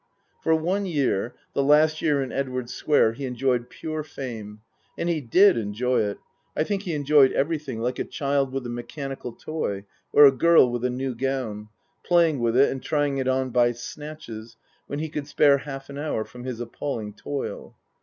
For one year the last year in Edwardes Square he enjoyed pure fame. And he did enjoy it I think he enjoyed everything like a child with a mechanical toy, or a gill with a new gown, playing with it and trying it on by snatches when he could spare half an hour from his appalling toil.